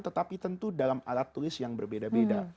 tetapi tentu dalam alat tulis yang berbeda beda